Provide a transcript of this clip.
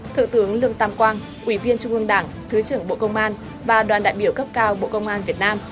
thượng tướng lương tam quang ủy viên trung ương đảng thứ trưởng bộ công an và đoàn đại biểu cấp cao bộ công an việt nam